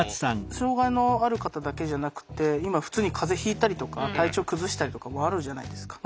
障害のある方だけじゃなくて今普通に風邪ひいたりとか体調崩したりとかもあるじゃないですか。